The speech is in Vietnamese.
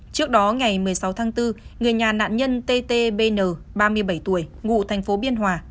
trước đó ngày một mươi sáu tháng bốn người nhà nạn nhân t t b n ba mươi bảy tuổi ngụ thành phố biên hòa